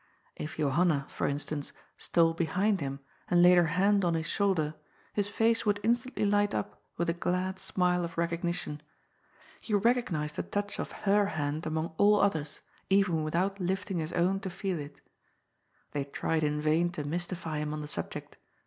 If Jo hanna, for instance, stole behind him and laid her hand on his shoulder, his face would instantly light up with a glad smile of recognition. He recognized the touch of her hand among all others, even without lifting his own to feel it They tried in vain to mystify him on tiie subject.